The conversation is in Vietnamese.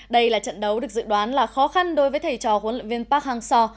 đây là trận đấu được dự đoán là khó khăn đối với thầy trò huấn luyện viên park hang seo